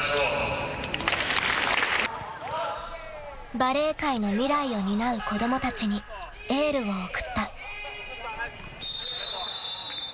［バレー界の未来を担う子供たちにエールを送った］